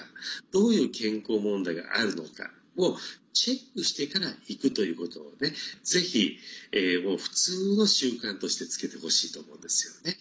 どういう健康問題があるのかをチェックしてから行くということをぜひ普通の習慣としてつけてほしいと思うんですよね。